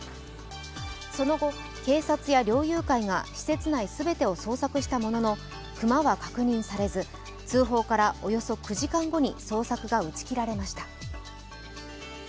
その後、警察や猟友会が施設内全てを捜索したものの、熊は確認されず通報からおよそ９時間後に捜索が打ち切られました。